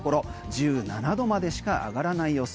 １７度までしか上がらない予想。